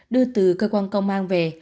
đưa từ cơ quan công an về